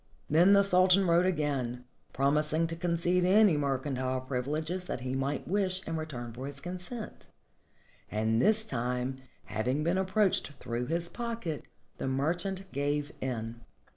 Then the Sul tan wrote again, promising to concede any mercantile privilege that he might wish in return for his consent; and this time, having been approached through his pocket, the merchant gave in.